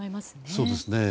そうですね。